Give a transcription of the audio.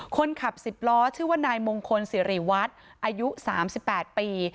คนขับ๑๐ล้อชื่อว่านายมงคลสิริวัตรอายุ๓๘ปี